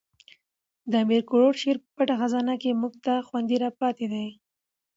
د امیر کروړ شعر په پټه خزانه کښي موږ ته خوندي را پاته دئ.